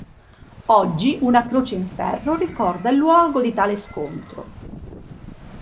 Oggi una croce in ferro ricorda il luogo di tale scontro.